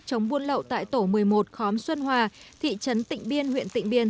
chống buôn lậu tại tổ một mươi một khóm xuân hòa thị trấn tịnh biên huyện tịnh biên